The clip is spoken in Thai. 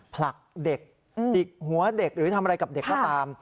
ผลักเด็กจิกหัวเด็กหรือทำอะไรกับเด็กก็ตาม